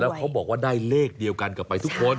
เขาบอกว่าได้เลขเดียวกันกลับไปทุกคน